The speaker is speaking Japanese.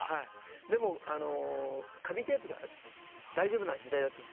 でもあの紙テープが大丈夫な時代だったんですよ。